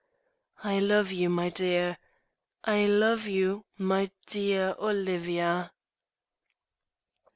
"I love you, my dear; I love you, my dear Olivia."